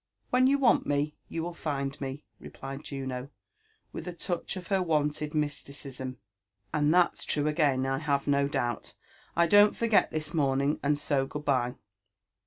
'' "When you want me, you will find me," replied Juno, with a t6uch of her wonted mysticism. ''And that's true again, I hare no doubt; I don't forcet thig morning, and so good*h'ye."